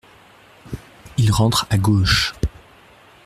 Il rentre à gauche.